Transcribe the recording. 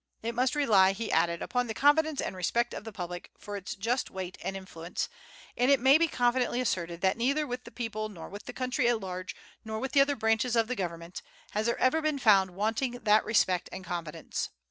It must rely," he added, "upon the confidence and respect of the public for its just weight and influence, and it may be confidently asserted that neither with the people, nor with the country at large, nor with the other branches of the government, has there ever been found wanting that respect and confidence."